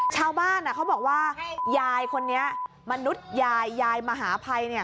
ชาวบ้านเขาบอกว่ายายคนนี้มนุษย์ยายยายมหาภัย